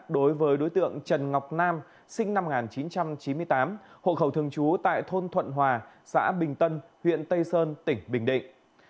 đối với đối tượng trần ngọc nam sinh năm một nghìn chín trăm chín mươi tám hộ khẩu thường trú tại thôn thuận hòa xã bình tân huyện tây sơn tỉnh bình định